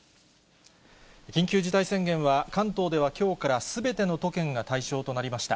緊急事態宣言は、関東ではきょうから、すべての都県が対象となりました。